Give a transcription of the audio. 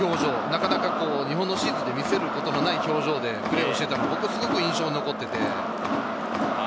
なかなか日本のシーズンでは見せることのない表情をしていたのが印象に残っていて。